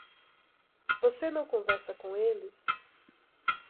Você não conversa com eles?